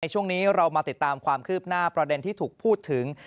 ช่วงนี้เรามาติดตามความคืบหน้าประเด็นที่ถูกพูดถึง